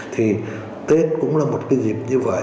thì tết cũng là một cái dịp như vậy